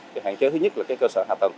thì hạn chế thứ nhất là cái cơ sở hạ tầng